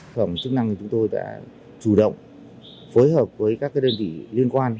phẩm chức năng chúng tôi đã chủ động phối hợp với các đơn vị liên quan